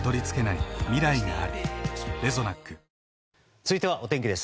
続いては、お天気です。